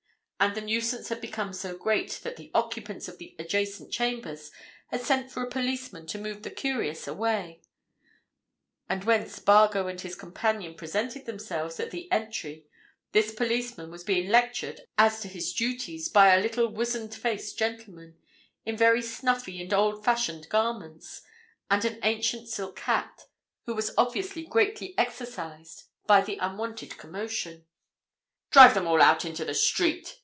And the nuisance had become so great that the occupants of the adjacent chambers had sent for a policeman to move the curious away, and when Spargo and his companion presented themselves at the entry this policeman was being lectured as to his duties by a little weazen faced gentleman, in very snuffy and old fashioned garments, and an ancient silk hat, who was obviously greatly exercised by the unwonted commotion. "Drive them all out into the street!"